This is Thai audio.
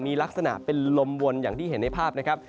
มีลักษณะเป็นลมวนอย่างที่เห็นในภาพนะครับ